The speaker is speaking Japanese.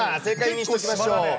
正解にしておきましょう。